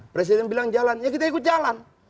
presiden bilang jalan ya kita ikut jalan